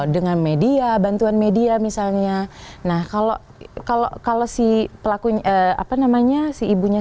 dengan media bantuan media misalnya nah kalau kalau si pelakunya apa namanya si ibunya